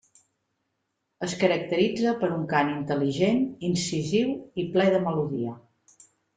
Es caracteritza per un cant intel·ligent, incisiu i ple de melodia.